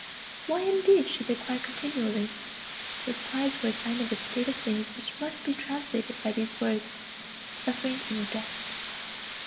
Why indeed should they cry continually? Those cries were the sign of a state of things which must be translated by these words: suffering and death.